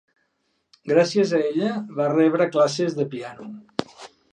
Gràcies a ella, va rebre classes de piano.